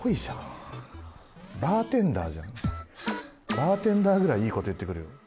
バーテンダーぐらいいいこと言ってくるよ。